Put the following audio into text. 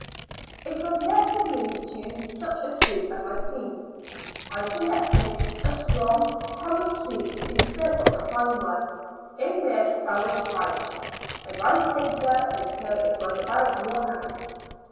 It was left with me to choose such a suit as I pleased. I selected a strong, common suit instead of a fine one; in this I was right, as I stayed there until it was about worn out.